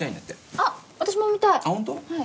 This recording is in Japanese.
あっ私も見たい！